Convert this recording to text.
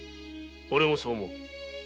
オレもそう思う。